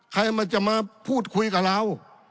ใครมันจะมาพูดคุยกับเรา